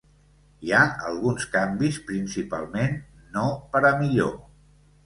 Hi ha alguns canvis, principalment no per a millor.